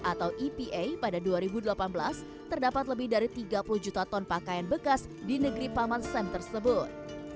atau epa pada dua ribu delapan belas terdapat lebih dari tiga puluh juta ton pakaian bekas di negeri paman sam tersebut